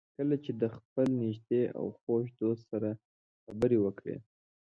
کله چې د خپل نږدې او خوږ دوست سره خبرې وکړئ.